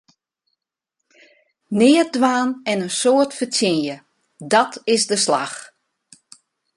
Neat dwaan en in soad fertsjinje, dàt is de slach!